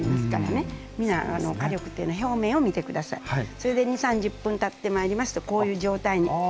それで２０３０分たってまいりますとこういう状態になってきますね。